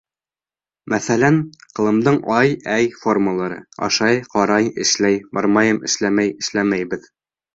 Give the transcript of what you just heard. Мәҫәлән, ҡылымдың ай- әй формалары: ашай, ҡарай, эшләй, бармайым, эшләмәй, эшләмәйбеҙ.